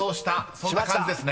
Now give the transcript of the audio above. ［そんな感じですね］